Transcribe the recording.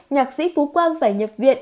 nhạc sĩ phú quang phải nhập viện